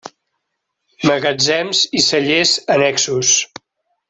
Magatzems i cellers annexos.